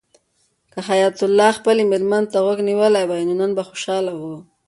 که حیات الله خپلې مېرمنې ته غوږ نیولی وای نو نن به خوشحاله و.